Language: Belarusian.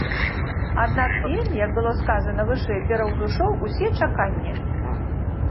Аднак фільм, як было сказана вышэй, пераўзышоў усе чаканні.